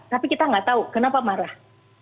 tapi kita nggak tahu kenapa marah